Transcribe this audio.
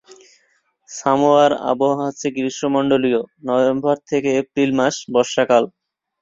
সামোয়ার আবহাওয়া হচ্ছে গ্রীষ্মমন্ডলীয়, নভেম্বর থেকে এপ্রিল মাস বর্ষাকাল।